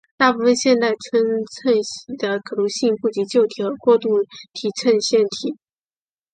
大部分现代衬线体的可读性不及旧体和过渡体衬线体。